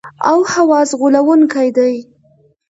او حواس غولونکي دي.